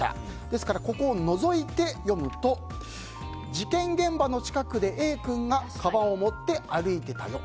ですから、ここを除いて読むと事件現場の近くでＡ君がかばんを持って歩いてたよ。